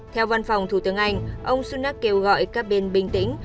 theo văn phòng thủ tướng anh ông sunak kêu gọi các bên bình tĩnh